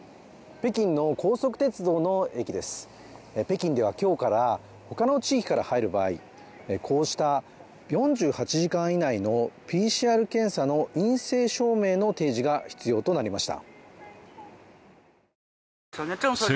北京では今日から他の地域から入る場合こうした４８時間以内のＰＣＲ検査の陰性証明の提示が必要となりました。